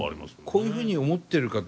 こういうふうに思ってる方